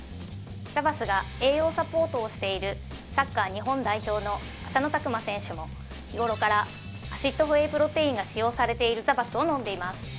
ザバスが栄養サポートをしているサッカー日本代表の浅野拓磨選手も日頃からアシッドホエイプロテインが使用されているザバスを飲んでいます